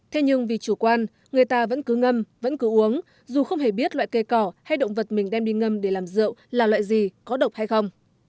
thế nhưng vì chủ quan người ta vẫn cứ ngâm vẫn cứ uống dù không hề biết loại cây cỏ hay động vật mình đem đi ngâm để làm rượu là loại gì có độc hay không